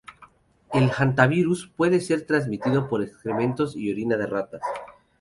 El Hantavirus puede ser transmitido por los excrementos y orina de ratas.